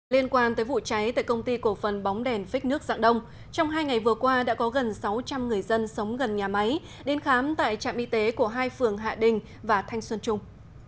liên quan tới vụ cháy tại công ty cổ phần bóng đèn phích nước dạng đông trong hai ngày vừa qua đã có gần sáu trăm linh người dân sống gần nhà máy đến khám tại trạm y tế của hai phường hạ đình và thanh xuân trung